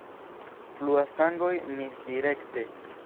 Fluas sangoj misdirekte.